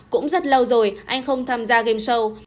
cũng rất lâu rồi anh không tham gia game show